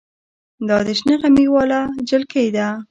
دا د شنه غمي واله جلکۍ ده.